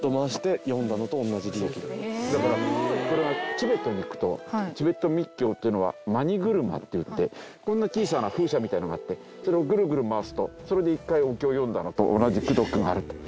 だからこれがチベットに行くとチベット密教っていうのはマニ車っていってこんな小さな風車みたいなのがあってそれをぐるぐる回すとそれで１回お経を読んだのと同じ功徳があると。